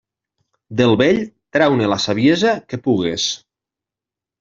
Del vell, trau-ne la saviesa que pugues.